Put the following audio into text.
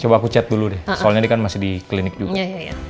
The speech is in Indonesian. coba aku chat dulu deh soalnya ini kan masih di klinik juga